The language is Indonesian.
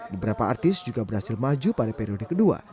beberapa artis juga berhasil maju pada periode kedua